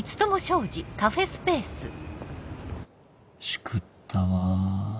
しくったわ。